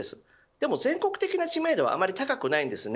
でも全国的な知名度はあまり高くないです。